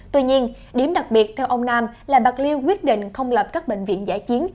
tuy nhiên điểm đặc biệt theo ông nam là bạc liêu quyết định không lập các bệnh viện giải chiến